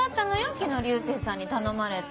昨日流星さんに頼まれて。